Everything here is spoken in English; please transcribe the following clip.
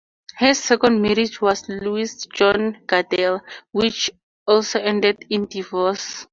Her second marriage was to Louis John Gardella, which also ended in divorce.